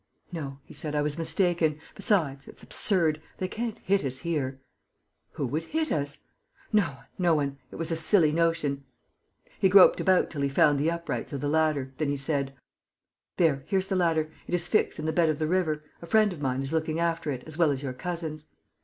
"No," he said, "I was mistaken.... Besides, it's absurd.... They can't hit us here." "Who would hit us?" "No one ... no one... it was a silly notion...." He groped about till he found the uprights of the ladder; then he said: "There, here's the ladder. It is fixed in the bed of the river. A friend of mine is looking after it, as well as your cousins."